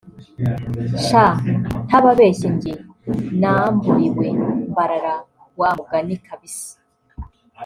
sha ntababeshye njye namburiwe mbarara wa mugani kabisa